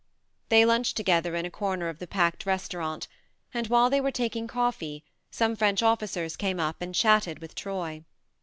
They lunched together in a corner of the packed restaurant, and while they were taking coffee some French officers came up and chatted with Troy.